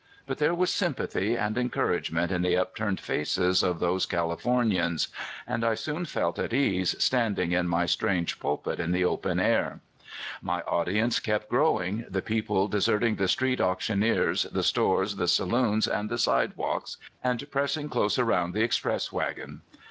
But there was sympathy and encouragement in the upturned faces of those Californians, and I soon felt at ease standing in my strange pulpit in the open air. My audience kept growing, the people deserting the street auctioneers, the stores, the saloons, and the sidewalks, and press ing close around the express wagon.